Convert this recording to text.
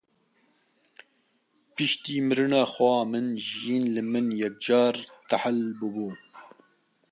Piştî mirina xweha min jiyîn li min yekcar tehil bû bû.